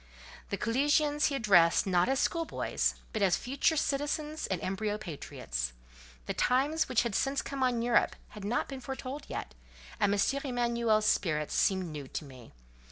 The collegians he addressed, not as schoolboys, but as future citizens and embryo patriots. The times which have since come on Europe had not been foretold yet, and M. Emanuel's spirit seemed new to me.